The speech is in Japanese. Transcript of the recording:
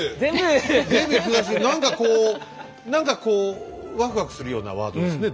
全部詳しく何かこう何かこうワクワクするようなワードですね